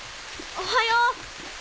おはよう。